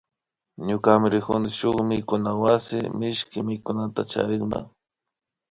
Ñuka rikuni shuk mikunawasi mishki mikunata charikma